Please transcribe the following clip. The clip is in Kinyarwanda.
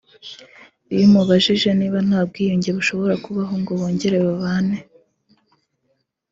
Iyo umubajije niba nta bwiyunge bushobora kubaho ngo bongere babane